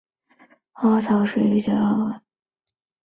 他现在已经是小牛主要的先发控球后卫了。